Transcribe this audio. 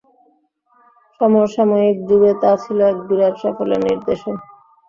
সমসাময়িক যুগে তা ছিল এক বিরাট সাফল্যের নিদর্শন।